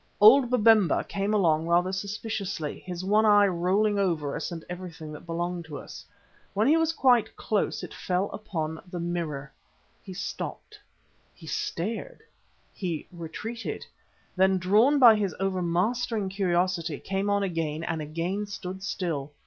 Old Babemba came along rather suspiciously, his one eye rolling over us and everything that belonged to us. When he was quite close it fell upon the mirror. He stopped, he stared, he retreated, then drawn by his overmastering curiosity, came on again and again stood still.